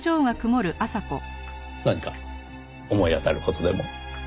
何か思い当たる事でも？